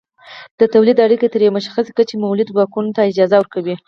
د تولید اړیکې تر یوې مشخصې کچې مؤلده ځواکونو ته اجازه ورکوي.